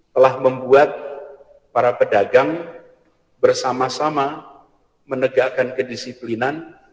telah membuat para pedagang bersama sama menegakkan kedisiplinan